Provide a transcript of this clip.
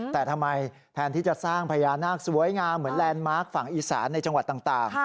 แต่ทำไมแทนที่จะสร้างพญานาคสวยงามเหมือนแลนด์มาร์คฝั่งอีสานในจังหวัดต่าง